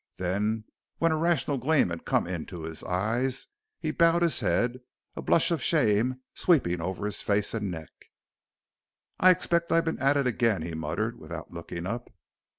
Then, when a rational gleam had come into his eyes he bowed his head, a blush of shame sweeping over his face and neck. "I expect I've been at it again," he muttered, without looking up.